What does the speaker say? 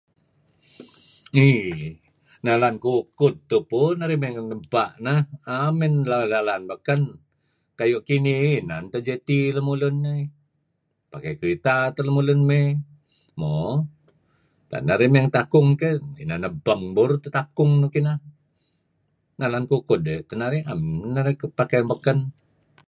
Iih nalan kukud tupu narih may ngi ebpa' nah. Naem man dlan-dalan baken. Kayu' kinih dih inan teh jetty pakai ketera teh lemulun may. Mo. Tak narih may ngi takung keh inan ebpang burur teh takung nuk ineh nalan kukud ayu' teh narih pakai nuk baken.